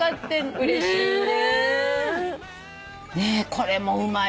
うれしいね。